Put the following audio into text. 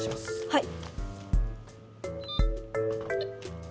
はい。